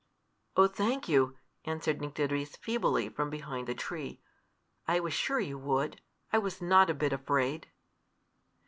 "Oh, thank you!" answered Nycteris, feebly, from behind the tree. "I was sure you would. I was not a bit afraid."